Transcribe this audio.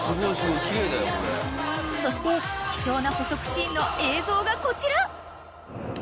［そして貴重な捕食シーンの映像がこちら］